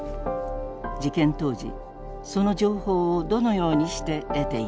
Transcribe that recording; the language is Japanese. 事件当時その情報をどのようにして得ていたのか。